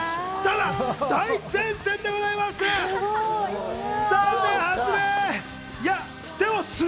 だが大善戦でございます。